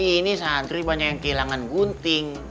ini santri banyak yang kehilangan gunting